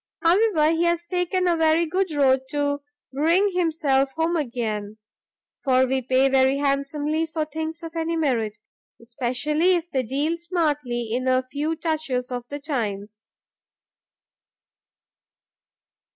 However, he has taken a very good road to bring himself home again, for we pay very handsomely for things of any merit, especially if they deal smartly in a few touches of the times."